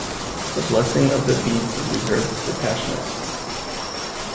The blessing of the beads is reserved to the Passionists.